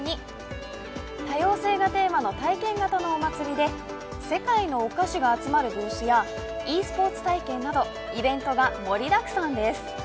多様性がテーマの体験型のお祭りで世界のお菓子が集まるブースやｅスポーツ体験など、イベントが盛りだくさんです。